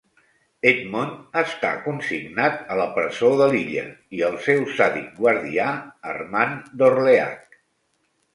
Edmond està consignat a la presó de l'illa i el seu sàdic guardià, Armand Dorleac.